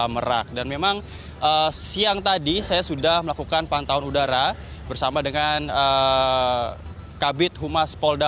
merak dan memang siang tadi saya sudah melakukan pantauan udara bersama dengan kabit humas polda